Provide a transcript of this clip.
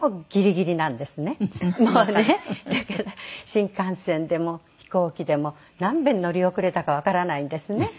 もうねだから新幹線でも飛行機でもなんべん乗り遅れたかわからないんですね。